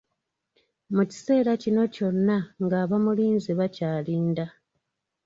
Mu kiseera kino kyonna ng’abamulinze bakyalinda.